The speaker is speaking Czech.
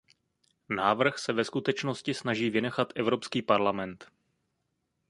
Návrh se ve skutečnosti snaží vynechat Evropský parlament.